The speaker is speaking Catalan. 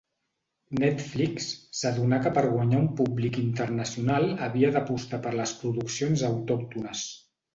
Netflix s'adonà que per guanyar un públic internacional havia d'apostar per les produccions autòctones.